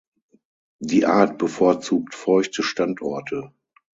Die Art bevorzugt feuchte Standorte.